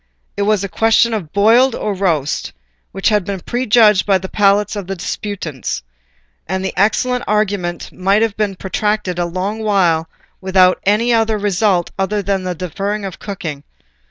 It was a question of boiled or roast, which had been prejudged by the palates of the disputants, and the excellent arguing might have been protracted a long while without any other result than that of deferring the cooking.